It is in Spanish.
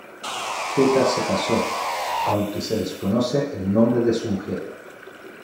Geta se casó, aunque se desconoce el nombre de su mujer.